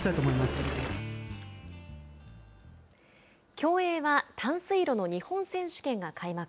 競泳は短水路の日本選手権が開幕。